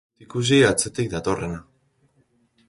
Ezin dut ikusi atzetik datorrena.